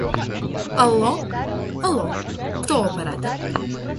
«Алло?» — «Алло». — «Кто у аппарата?»